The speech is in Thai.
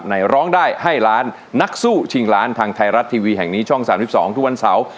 ร้องได้ให้ล้านนักสู้ชิงล้านทางไทยรัฐทีวีแห่งนี้ช่อง๓๒ทุกวันเสาร์